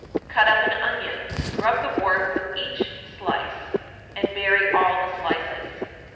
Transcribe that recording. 905. Cut up an onion, rub the wart with each slice, and bury all the slices.